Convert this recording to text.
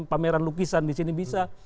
pameran lukisan di sini bisa